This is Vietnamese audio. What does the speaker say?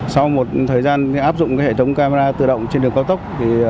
sau một thời gian áp dụng hệ thống camera tự động trên đường cao tốc